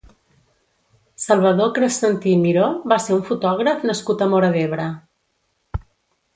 Salvador Crescenti Miró va ser un fotògraf nascut a Móra d'Ebre.